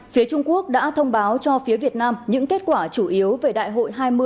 phía trung quốc đã thông báo cho phía việt nam những kết quả chủ yếu về đại hội hai mươi